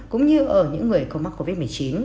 cũng như ở những người có mắc covid một mươi chín